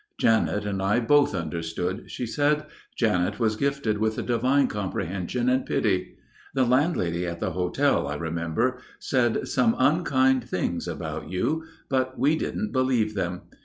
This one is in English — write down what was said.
"Janet and I both understood," she said. "Janet was gifted with a divine comprehension and pity. The landlady at the hotel, I remember, said some unkind things about you; but we didn't believe them.